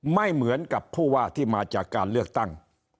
ไม่เหมือนกับผู้ว่าที่มาจากการเลือกตั้ง